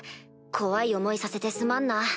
怖い思いさせてすまんな。